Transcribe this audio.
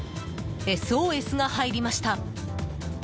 ＳＯＳが入りました。